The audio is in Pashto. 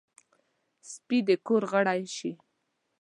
سپي د کور غړی شي.